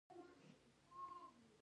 مدیر په لغت کې اداره کوونکي ته ویل کیږي.